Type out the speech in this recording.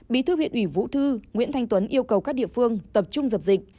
bí thư huyện ủy vũ thư nguyễn thanh tuấn yêu cầu các địa phương tập trung dập dịch